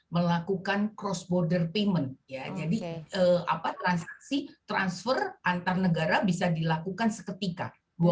melakukan cross border payment ya jadi apa transaksi transfer antarnegara bisa dilakukan seketika dua puluh empat